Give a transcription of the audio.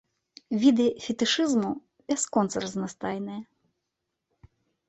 Віды фетышызму бясконца разнастайныя.